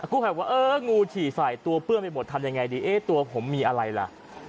กู้ภัยบอกว่าเอองูฉี่ใส่ตัวเปื้อนไปหมดทำยังไงดีเอ๊ะตัวผมมีอะไรล่ะ